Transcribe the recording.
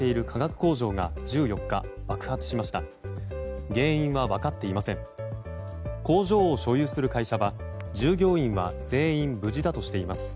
工場を所有する会社は、従業員は全員無事だとしています。